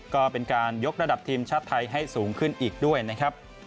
ก็เป็นการยกระดับทีมชาติไทยให้สูงขึ้นอีกด้วยนะครับ